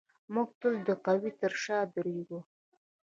موږ تل د قوي تر شا درېږو.